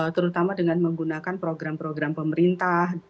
terutama dengan menggunakan program program pemerintah